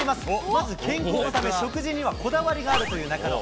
まず、健康おたくで、食事にはこだわりがあるという中野。